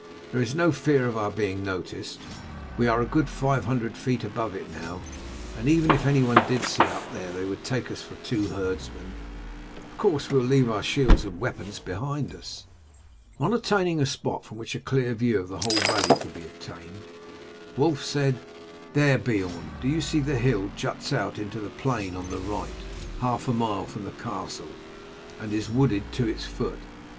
There is no fear of our being noticed. We are a good five hundred feet above it now, and even if anyone did see us up there they would take us for two herdsmen. Of course we will leave our shields and weapons behind us." On attaining a spot from which a clear view of the whole valley could be obtained, Wulf said: "There, Beorn, do you see the hill juts out into the plain on the right, half a mile from the castle, and is wooded to its foot.